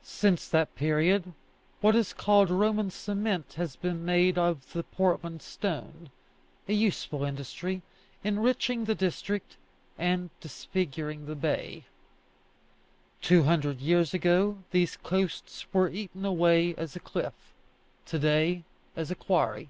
Since that period what is called Roman cement has been made of the Portland stone a useful industry, enriching the district, and disfiguring the bay. Two hundred years ago these coasts were eaten away as a cliff; to day, as a quarry.